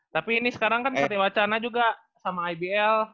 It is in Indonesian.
tapi ini sekarang kan seperti wacana juga sama ibl